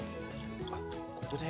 あっここで。